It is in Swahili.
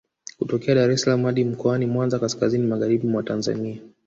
Kutokea Dar es salaam hadi Mkoani Mwanza kaskazini magharibi mwa Tanzania